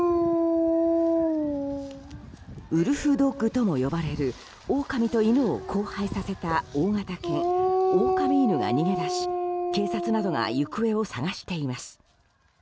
ウルフドッグとも呼ばれるオオカミと犬を交配させた大型犬オオカミ犬が逃げ出し警察などが行方を捜しています。